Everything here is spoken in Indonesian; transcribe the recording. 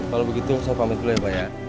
kalau begitu saya pamit dulu ya pak ya